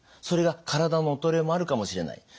それが体の衰えもあるかもしれない。